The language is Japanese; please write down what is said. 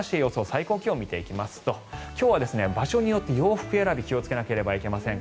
最高気温を見ていきますと今日は場所によって洋服選びを気をつけなければいけません。